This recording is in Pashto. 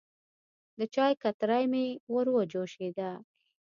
د چای کتری مې وروه جوشېده.